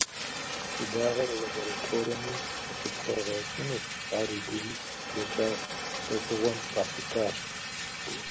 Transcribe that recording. Щӏыдагъэр лабораторэми къыщыпхуэгъэщӏынущ, ар иджыри блэкӏа лӏэщӏыгъуэм къахутащ.